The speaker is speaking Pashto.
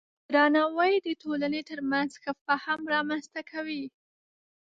درناوی د ټولنې ترمنځ ښه فهم رامنځته کوي.